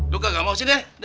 tidak gak mau sini ya